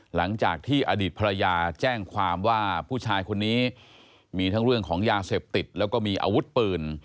หลังจากที่อดีตภรรยาแจ้งความว่าผู้ชายคนนี้มีทั้งเรื่องของยาเสพติดแล้วก็มีอาวุธปืน